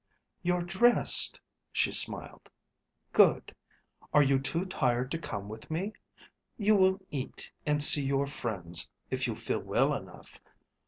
"You're dressed," she smiled. "Good. Are you too tired to come with me? You will eat and see your friends if you feel well enough.